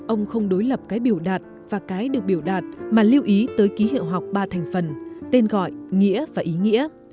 ông không đối lập cái biểu đạt và cái được biểu đạt mà lưu ý tới ký hiệu học ba thành phần tên gọi nghĩa và ý nghĩa